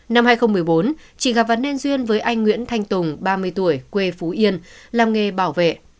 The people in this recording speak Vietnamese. năm hai nghìn một mươi bốn chị gặp vấn nên duyên với anh nguyễn thanh tùng ba mươi tuổi quê phú yên làm nghề bảo vệ